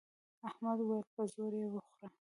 احمد وويل: په زور یې وخوره.